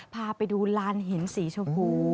พาไปดูลานหินสีชมพู